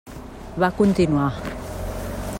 Va continuar.